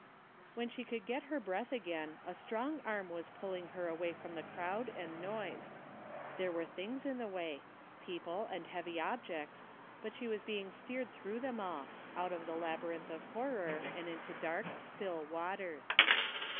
When she could get her breath again a strong arm was pulling her away from the crowd and noise. There were things in the way, people and heavy objects, but she was being steered through them all, out of the labyrinth of horror and into dark, still waters.